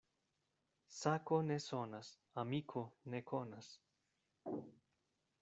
Sako ne sonas, amiko ne konas.